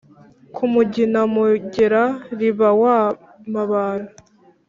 ku mugina, mugera-riba wa mabara,